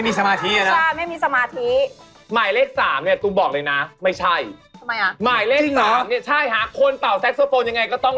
ผมคิดว่าเบอร์๓น่าจะใช่ตัวจริง